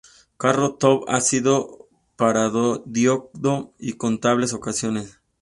Carrot Top ha sido parodiado en incontables ocasiones.